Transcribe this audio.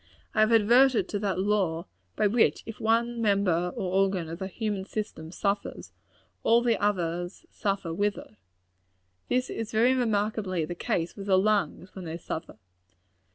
I have adverted to that law, by which, if one member or organ of the human system suffer, all the others suffer with it. This is very remarkably the case with the lungs, when they suffer.